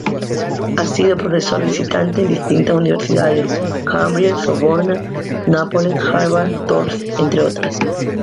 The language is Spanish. Ha sido profesor visitante en distintas universidades: Cambridge, Sorbona, Nápoles, Harvard, Toulouse, entre otras.